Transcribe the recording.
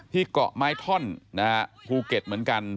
ที่เกาะไมท่อนนะครับภูเก็ตเหมือนกัน